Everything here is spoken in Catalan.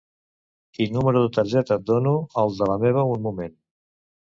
I numero de targeta et dono el de la meva un moment.